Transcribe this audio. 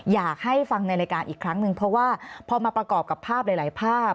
อยากให้ฟังในรายการอีกครั้งหนึ่งเพราะว่าพอมาประกอบกับภาพหลายภาพ